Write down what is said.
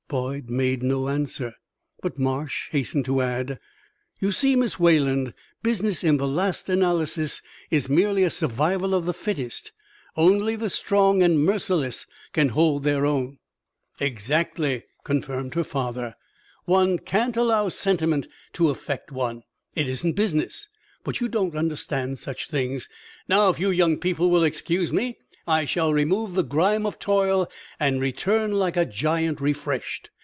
Boyd made no answer, but Marsh hastened to add: "You see, Miss Wayland, business, in the last analysis, is merely a survival of the fittest; only the strong and merciless can hold their own." "Exactly," confirmed her father. "One can't allow sentiment to affect one. It isn't business. But you don't understand such things. Now, if you young people will excuse me, I shall remove the grime of toil, and return like a giant refreshed."